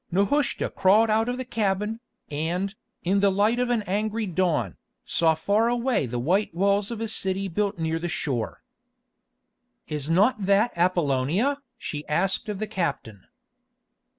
Nehushta crawled out of the cabin, and, in the light of an angry dawn, saw far away the white walls of a city built near the shore. "Is not that Appolonia?" she asked of the captain.